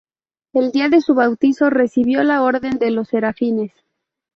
El día de su bautizo recibió la orden de los Serafines.